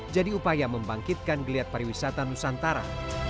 upaya membangkitkan geliat pariwisata nusantara